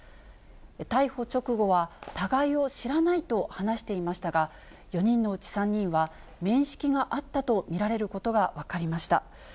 逮捕直後は、互いを知らないと話していましたが、４人のうち３人は、面識があったと見られることが分かりました。